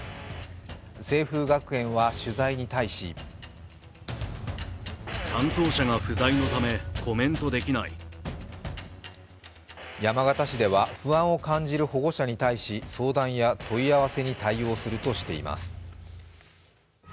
清風学園は取材に対し山形市では不安を感じる保護者に対し、相談や問い合わせに対応するとしています。